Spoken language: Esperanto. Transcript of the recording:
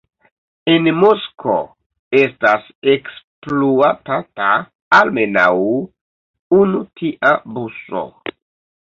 En Moskvo estas ekspluatata almenaŭ unu tia buso.